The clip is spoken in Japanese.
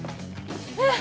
えっ！